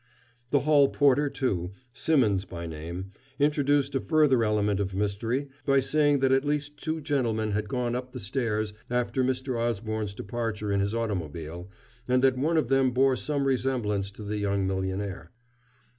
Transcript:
The hall porter, too, Simmonds by name, introduced a further element of mystery by saying that at least two gentlemen had gone up the stairs after Mr. Osborne's departure in his automobile, and that one of them bore some resemblance to the young millionaire.